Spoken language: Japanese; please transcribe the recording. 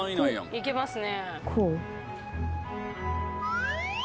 行けますね。